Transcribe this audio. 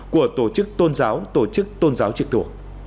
của tổ chức tôn giáo tổ chức tôn giáo trực thuộc